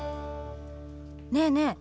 ねえねえ